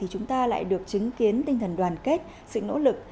chúng ta lại được chứng kiến tinh thần đoàn kết sự nỗ lực